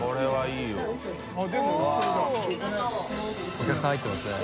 お客さん入ってますね。